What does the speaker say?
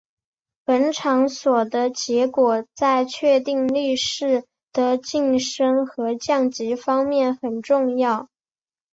本场所的结果在确定力士的晋升和降级方面很重要。